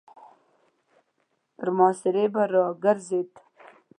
تر محاصرې به را ګرځېده.